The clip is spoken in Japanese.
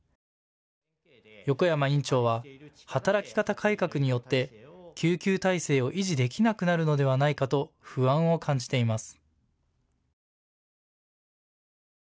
横山院長は働き方改革によって救急体制を維持できなくなるのではないかと不安を感じています。